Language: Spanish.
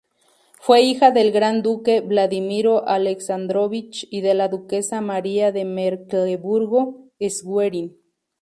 Fue hija del gran duque Vladimiro Alexandrovich y de la duquesa María de Mecklemburgo-Schwerin.